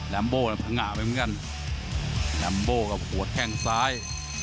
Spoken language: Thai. ลัมโบมันผง่าไปเหมือนกันลัมโบกับหัวแทงซาย